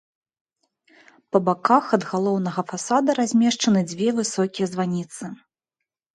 Па баках ад галоўнага фасада размешчаны дзве высокія званіцы.